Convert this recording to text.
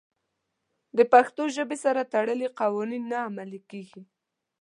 د پښتو ژبې سره تړلي قوانین نه عملي کېږي.